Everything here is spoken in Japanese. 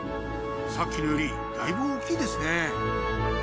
さっきのよりだいぶ大きいですね